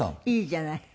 いいじゃない。